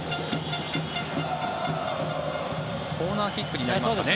コーナーキックになりますかね？